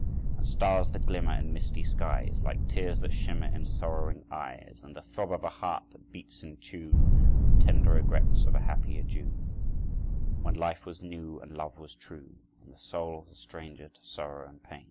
And stars that glimmer in misty skies, Like tears that shimmer in sorrowing eyes, And the throb of a heart that beats in tune With tender regrets of a happier June, When life was new And love was true, And the soul was a stranger to sorrow and pain.